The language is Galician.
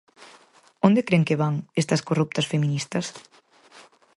Onde cren que van, estas corruptas feministas?